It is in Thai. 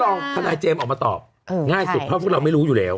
ทนายเจมส์ออกมาตอบง่ายสุดเพราะพวกเราไม่รู้อยู่แล้ว